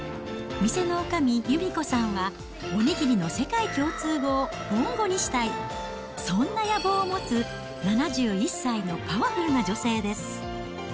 店のおかみ、由美子さんは、お握りの世界共通語をボンゴにしたい、そんな野望を持つ７１歳のパワフルな女性です。